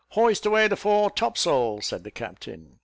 "Hoist away the fore topsail," said the captain.